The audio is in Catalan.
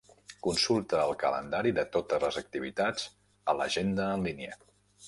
Consulta el calendari de totes les activitats a l'agenda en línia.